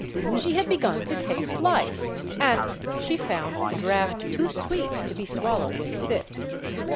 She had begun to taste life, and she found the draft too sweet to be swallowed in sips.